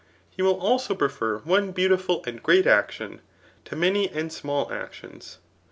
He will also prefer one b^utiful and great action, to many and small actions.